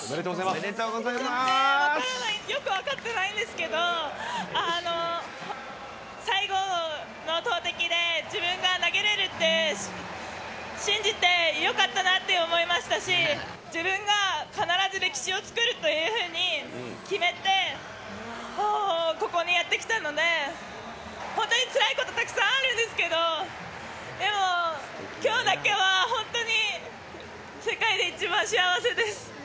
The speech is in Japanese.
興奮しすぎちゃってよく分かってないんですけど、最後の投てきで、自分が投げれるって信じてよかったなって思いましたし、自分が必ず歴史を作るというふうに決めて、ここにやって来たので、本当につらいことたくさんあるんですけど、でも、きょうだけは本当に世界で一番幸せです。